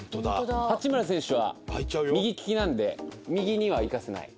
八村選手は右利きなんで右には行かせない。